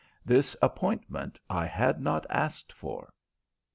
This appointment I had not asked for.